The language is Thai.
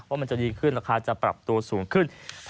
มันจะดีขึ้นราคาจะปรับตัวสูงขึ้น